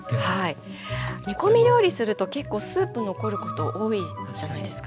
煮込み料理すると結構スープ残ること多いじゃないですか。